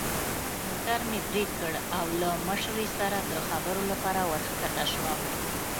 موټر مې برېک کړ او له مشرې سره د خبرو لپاره ور کښته شوم.